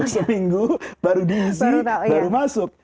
seminggu baru diizin baru masuk